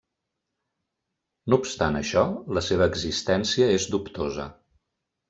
No obstant això, la seva existència és dubtosa.